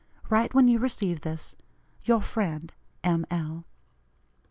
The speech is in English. Write when you receive this. "Your friend, M. L."